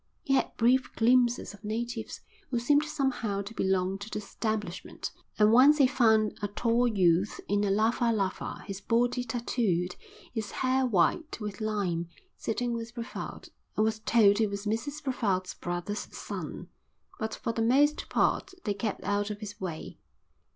He had brief glimpses of natives who seemed somehow to belong to the establishment, and once he found a tall youth in a lava lava, his body tattooed, his hair white with lime, sitting with Brevald, and was told he was Mrs Brevald's brother's son; but for the most part they kept out of his way.